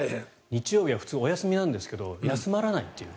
日曜日は普通お休みなんですけど休まらないという。